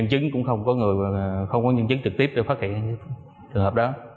rừng dân cư cũng không có người không có nhân chức trực tiếp để phát hiện trường hợp đó